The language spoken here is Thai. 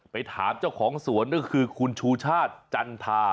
ไปถามเจ้าของสวนก็คือคุณชูชาติจันทา